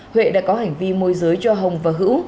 huệ đã có hành vi môi giới cho hồng và hữu